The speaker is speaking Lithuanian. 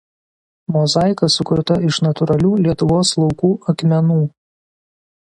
Mozaika sukurta iš natūralių Lietuvos laukų akmenų.